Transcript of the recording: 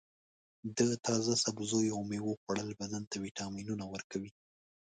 د تازه سبزیو او میوو خوړل بدن ته وټامینونه ورکوي.